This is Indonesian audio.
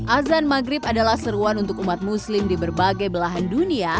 azan maghrib adalah seruan untuk umat muslim di berbagai belahan dunia